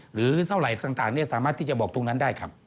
หรือเท่าไหร่ต่างสามารถที่จะบอกตรงนั้นได้ครับ